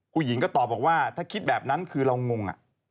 ผู้หญิงก็ตอบบอกว่าถ้าคิดแบบนั้นคือเรางง